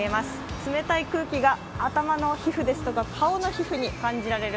冷たい空気が頭の皮膚とか顔の皮膚に感じられる